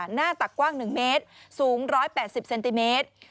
หน้าตักกว้าง๑เมตรสูง๑๘๐เซนติเมตร